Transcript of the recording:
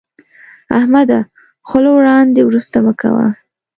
احمده، خوله وړاندې ورسته مه کوه.